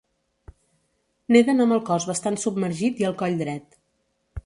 Neden amb el cos bastant submergit i el coll dret.